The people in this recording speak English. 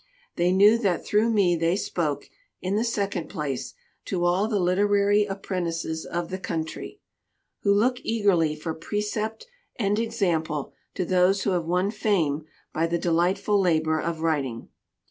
They knew that through me they spoke, in the second place, to all the literary apprentices of the country, who look eagerly for precept and ex ample to those who have won fame by the de INTRODUCTION lightf ul labor of writing.